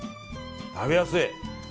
食べやすい。